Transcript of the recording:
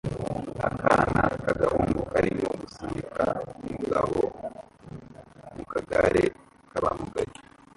Akana k'agahungu karimo gusunika umugabo mu kagare k'abamugaye